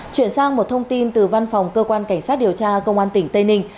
chuyển sang một thông tin từ văn phòng cơ quan cảnh sát điều tra công an tỉnh tây ninh